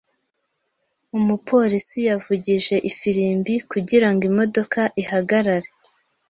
Umupolisi yavugije ifirimbi kugirango imodoka ihagarare.